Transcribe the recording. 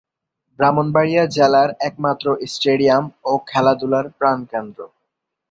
ব্রাহ্মণবাড়িয়া জেলার একমাত্র স্টেডিয়াম ও খেলাধুলার প্রাণকেন্দ্র।